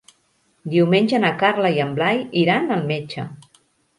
Diumenge na Carla i en Blai iran al metge.